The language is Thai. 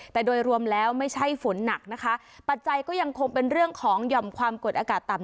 แต่โดยรวมแล้วไม่ใช่ฝนหนักนะคะปัจจัยก็ยังคงเป็นเรื่องของหย่อมความกดอากาศต่ำ